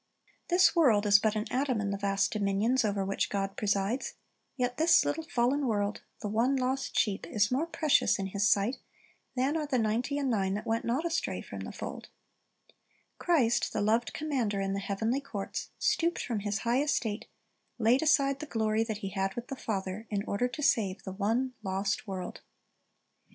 This world is but an atom in the vast dominions over which God presides; yet this little fallen world — the one lost sheep — is more precious in His sight than arc the ninety and nine that went not astray from the fold. Christ, the loved Commander in the heavenly courts, " Th i s Ma n R c c c i 7' c t ft S i n n c r s"" 1 9 1 stooped from His high estate, laid aside the glory that He had with the Father, in order to save the one lost world.